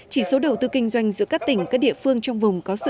chỉ số đầu tư kinh doanh giữa các tỉnh các địa phương trong vùng có sự